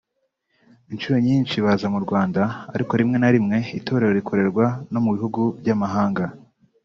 Incuro nyinshi baza mu Rwanda ariko rimwe na rimwe itorero rikorerwa no mu bihugu by’amahanga